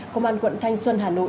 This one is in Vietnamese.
công an quận thanh xuân hà nội